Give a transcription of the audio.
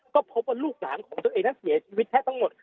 ก็พบว่าลูกหลานของตัวเองนั้นเสียชีวิตแทบทั้งหมด